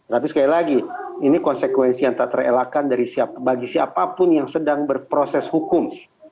tapi sekali lagi ini konsekuensi yang tak terelakkan bagi siapapun yang sedang berproses hukum